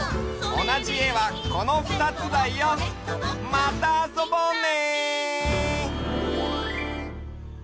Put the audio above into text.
おなじえはこのふたつだよ。またあそぼうね！